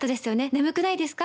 眠くないですか？